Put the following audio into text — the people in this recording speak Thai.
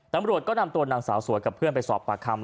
ตำรวจก็นำตัวนางสาวสวยกับเพื่อนไปสอบปากคำ